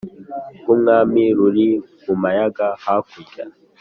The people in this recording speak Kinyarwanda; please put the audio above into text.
rwumwami ruri mumayaga hakurya"